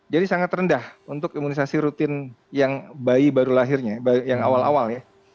jadi sangat rendah untuk imunisasi rutin yang bayi baru lahirnya yang awal awal ya